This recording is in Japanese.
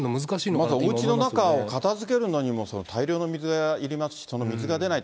まずはおうちの中を片づけるのにも大量の水がいりますし、その水が出ないと。